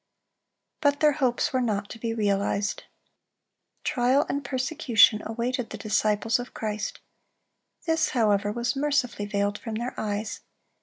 But their hopes were not to be realized. Trial and persecution awaited the disciples of Christ. This, however, was mercifully veiled from their eyes.